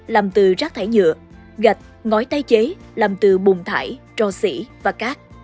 làm từ rác thải nhựa gạch ngói tái chế làm từ bùng thải trò sỉ và cát